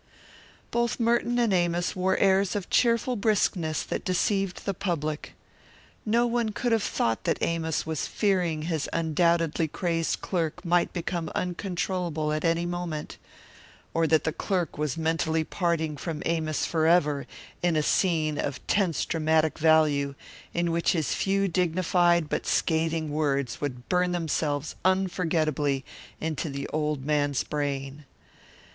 Both Merton and Amos wore airs of cheerful briskness that deceived the public. No one could have thought that Amos was fearing his undoubtedly crazed clerk might become uncontrollable at any moment, or that the clerk was mentally parting from Amos forever in a scene of tense dramatic value in which his few dignified but scathing words would burn themselves unforgettably into the old man's brain.